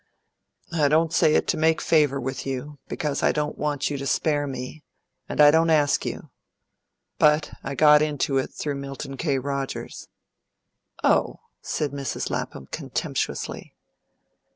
"I don't say it to make favour with you, because I don't want you to spare me, and I don't ask you; but I got into it through Milton K. Rogers." "Oh!" said Mrs. Lapham contemptuously.